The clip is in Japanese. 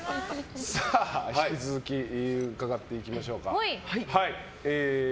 引き続き伺っていきましょうか。